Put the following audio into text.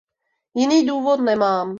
Jiný důvod nemám.